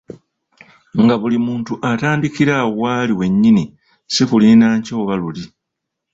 Nga buli muntu atandikira awo wali wennyini si kulinda nkya oba luli.